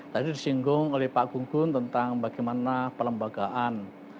tadi disinggung oleh pak gunggun tentang bagaimana pelembagaan